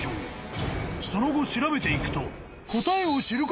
［その後調べていくと］